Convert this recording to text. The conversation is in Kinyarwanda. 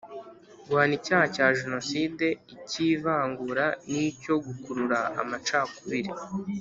Guhana icyaha cya jenoside icy’ivangura n’icyo gukurura amacakubiri